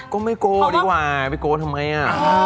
ก็ไม่โกหกอีกก่อนไม่โกหกทำไมอ่ะ